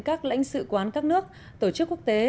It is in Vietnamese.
các lãnh sự quán các nước tổ chức quốc tế